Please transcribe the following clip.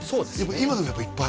今でもやっぱいっぱい？